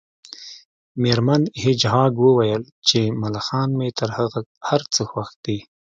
میرمن هیج هاګ وویل چې ملخان مې تر هر څه خوښ دي